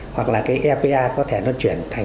hoặc là cái epa có thể nó chuyển thành